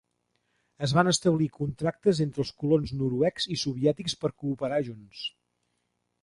Es van establir contactes entre els colons noruecs i soviètics per cooperar junts.